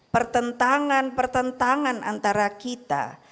pertentangan pertentangan antara kita